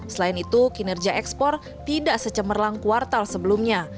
selain itu kinerja ekspor tidak secemerlang kuartal sebelumnya